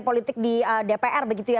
politik di dpr begitu ya